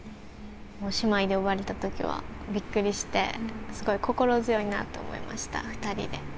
もう姉妹で呼ばれたときは、びっくりして、すごい心強いなと思いました、２人で。